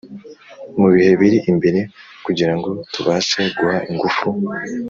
mu bihe biri imbere kugirango tubashe guha ingufu